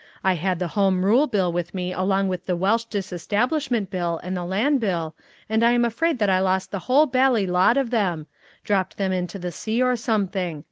I had the Home Rule Bill with me along with the Welsh Disestablishment Bill and the Land Bill, and I am afraid that I lost the whole bally lot of them; dropped them into the sea or something.